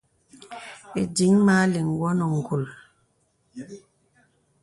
Ìdìŋ mə aliŋ wɔ nə ǹgùl.